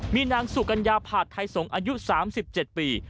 มีนางสุกัญญาผาดไทยสงศ์อายุ๓๗ปี